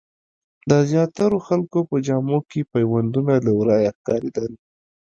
د زیاترو خلکو په جامو کې پیوندونه له ورايه ښکارېدل.